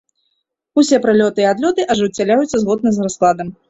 Усе прылёты і адлёты ажыццяўляюцца згодна з раскладам.